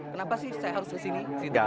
kenapa sih saya harus kesini